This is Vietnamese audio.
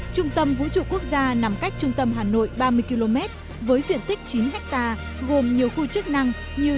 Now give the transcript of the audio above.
trung tâm vũ trụ quốc gia nằm cách trung tâm hà nội ba mươi km với diện tích chín hectare gồm nhiều khu chức năng như